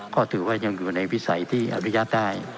ก็ถือว่ายังอยู่ในวิสัยที่อนุญาตได้